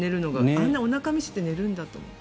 あんなおなかを見せて寝るんだと思って。